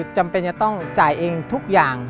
จำเป็นจะต้องจ่ายเองทุกอย่าง